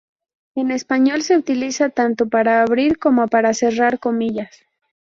En español se utiliza tanto para abrir como para cerrar comillas.